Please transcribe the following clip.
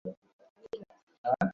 বিভা বলিল, কী সর্বনাশ।